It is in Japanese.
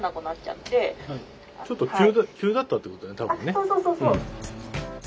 「あっそうそうそうそう！」。